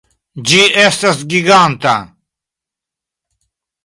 Ĝi estas giganta!